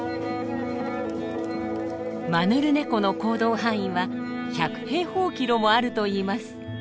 マヌルネコの行動範囲は１００平方キロもあるといいます。